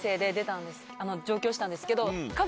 したんですけど。